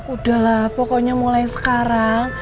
udahlah pokoknya mulai sekarang